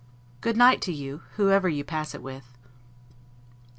Good night to you, whoever you pass it with.